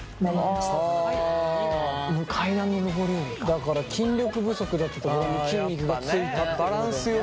だから筋力不足だったところに筋肉がついたってことだよね。